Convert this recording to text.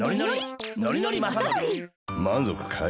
まんぞくかい？